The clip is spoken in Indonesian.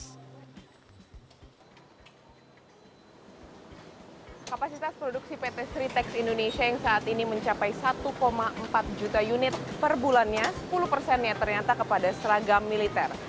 kapasitas produksi pt sriteks indonesia yang saat ini mencapai satu empat juta unit per bulannya sepuluh persennya ternyata kepada seragam militer